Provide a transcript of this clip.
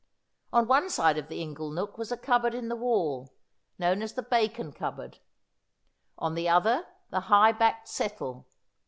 On one side of the ingle nook was a cupboard in the wall, known as the bacon cupboard ; on the other the high backed settle.